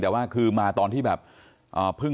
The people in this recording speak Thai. แต่ว่าคือมาตอนที่แบบเพิ่ง